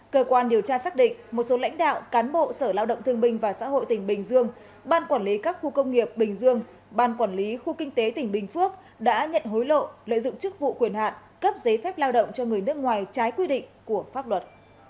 cơ quan điều tra xác định một số lãnh đạo cán bộ sở lao động thương bình và xã hội tỉnh bình dương ban quản lý các khu công nghiệp bình dương ban quản lý khu kinh tế tỉnh bình phước đã nhận hối lộ lợi dụng chức vụ quyền hạn cấp giấy phép lao động cho người nước ngoài trái quy định của pháp luật